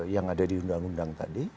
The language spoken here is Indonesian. yang ada di undang undang tadi